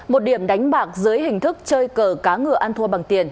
một điểm đánh bạc dưới hình thức chơi cờ cá ngựa ăn thua bằng tiền